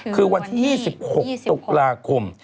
คือวันที่๒๖ตุลาคม